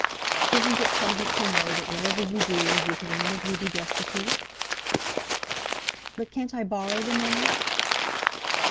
Isn't it pleasant to know that whatever you do you can none of you be destitute?" "But can't I borrow the money?"